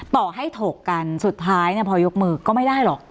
ต่อให้ถกกันสุดท้ายพอยกมือก็ไม่ได้หรอก